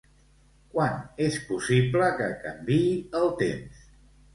Quan és possible que canviï el temps?